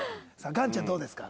岩ちゃんどうですか？